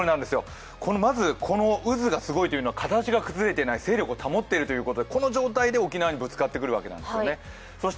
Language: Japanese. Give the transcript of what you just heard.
まずこの渦がすごいというのは形が崩れていない、勢力を保っているということで、この状態で沖縄にぶつかってくるということになるわけです。